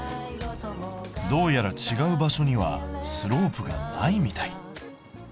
どうやら違う場所にはスロープがないみたい。